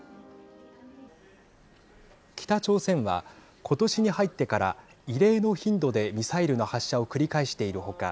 北朝鮮は今年に入ってから異例の頻度でミサイルの発射を繰り返している他